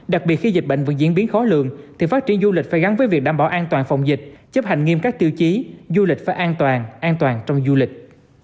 đặc biệt khi dịch bệnh vẫn diễn biến khó lường thì phát triển du lịch phải gắn với việc đảm bảo an toàn phòng dịch chấp hành nghiêm các tiêu chí du lịch phải an toàn an toàn trong du lịch